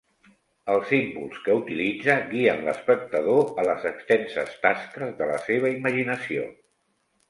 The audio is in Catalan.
Els símbols que utilitza guien l'espectador a les extenses tasques de la seva imaginació.